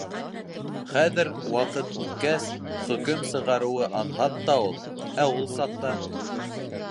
Хәҙер, ваҡыт үткәс, хөкөм сығарыуы анһат та ул, ә ул саҡта?